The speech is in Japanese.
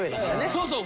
そうそう。